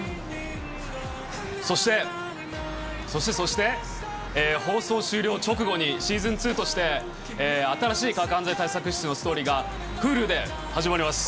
そして、そしてそして、放送終了直後に、シーズン２として新しい科学犯罪対策室のストーリーがＨｕｌｕで始まります。